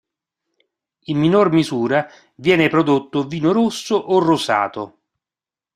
In minor misura viene prodotto vino rosso o rosato.